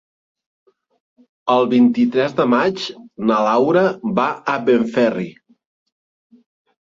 El vint-i-tres de maig na Laura va a Benferri.